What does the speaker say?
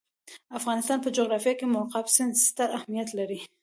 د افغانستان په جغرافیه کې مورغاب سیند ستر اهمیت لري.